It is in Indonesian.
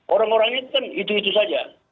orang orangnya kan itu itu saja